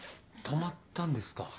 泊まったんですか？